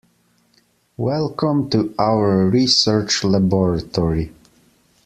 Welcome to our research Laboratory.